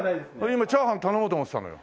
今チャーハン頼もうと思ってたのよ。